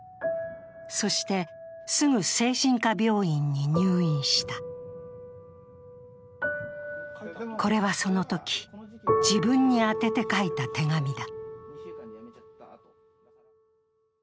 そして、すぐ精神科病院に入院したこれはそのとき、自分に宛てて書いた手紙だ。